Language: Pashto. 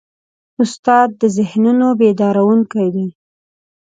استاد د ذهنونو بیدارونکی دی.